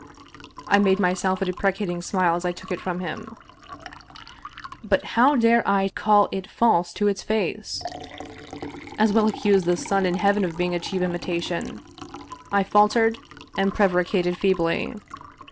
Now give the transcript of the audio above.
I made myself a deprecating smile as I took it from him, but how dare I call it false to its face ? As well accuse the sun in heaven of being a cheap imitation. I faltered and pre varicated feebly.